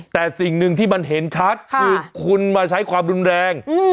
แต่สิ่งหนึ่งที่มันเห็นชัดคือคุณมาใช้ความรุนแรง